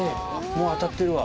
もう当たってるわ。